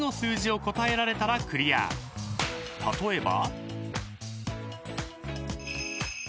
［例えば］